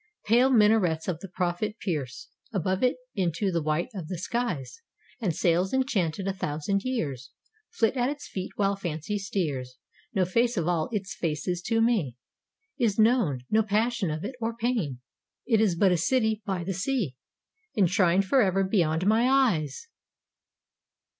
Pale minarets of the Prophet pierce Above it into the white of the skies, And sails enchanted a thousand years Flit at its feet while fancy steers. No face of all its faces to me Is known no passion of it or pain. It is but a city by the sea, Enshrined forever beyond my eyes!